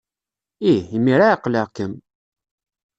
Ih, imir-a ɛeqleɣ-kem!